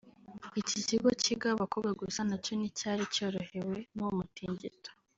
Iki kigo kigaho abakobwa gusa nacyo nticyari cyorohewe n’uwo mutingito